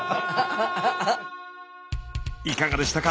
いかがでしたか？